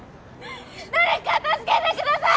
誰か助けてください！